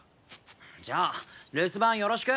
じゃあ留守番よろしく！